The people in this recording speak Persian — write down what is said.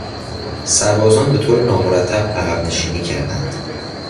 سربازان به طور نامرتب عقب نشینی کردند.